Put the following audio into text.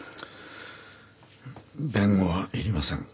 弁護はいりません。